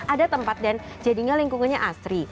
ada tempat dan jadinya lingkungannya asri